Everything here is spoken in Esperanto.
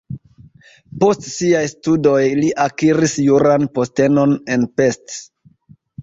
Post siaj studoj li akiris juran postenon en Pest (urbo).